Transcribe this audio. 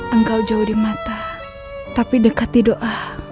engkau jauh di mata tapi dekat di doa